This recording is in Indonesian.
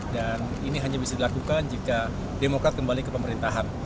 dan ini hanya bisa dilakukan jika demokrat kembali ke pemerintahan